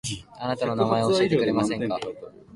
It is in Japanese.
あなたの名前を教えてくれませんか